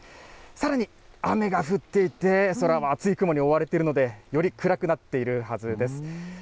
さらに雨が降っていて、空は厚い雲に覆われているので、より暗くなっているはずです。